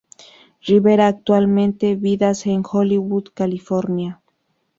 Rivera actualmente vidas en Hollywood, California.